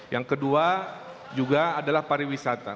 yang kedua juga adalah pariwisata